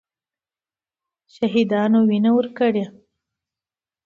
شهیدانو وینه ورکړې.